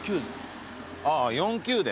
ああ４９で？